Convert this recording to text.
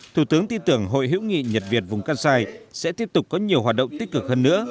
thủ tướng tin tưởng hội hiểu nghị nhật việt vùng cang sai sẽ tiếp tục có nhiều hoạt động tích cực hơn nữa